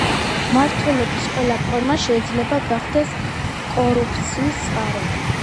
მმართველობის ყველა ფორმა შეიძლება გახდეს კორუფციის წყარო.